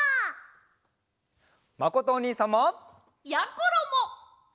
まことおにいさんも！やころも！